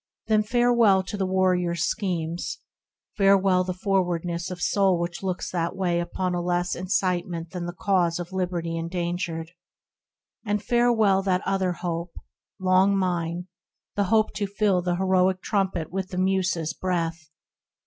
Then farewell to the Warrior's Schemes, farewell The forwardness of soul which looks that way Upon a less incitement than the Cause Of Liberty endangered, and farewell That other hope, long mine, the hope to fill The heroic trumpet with the Muse's breath